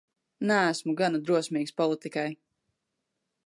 Neesmu gana drosmīgs politikai.